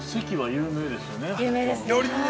◆有名です。